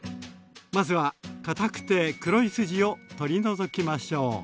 まずはかたくて黒い筋を取り除きましょう。